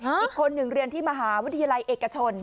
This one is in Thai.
อีกคนหนึ่งเรียนที่มหาวิทยาลัยเอกชน